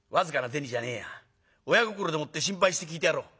親心でもって心配して聞いてやろう。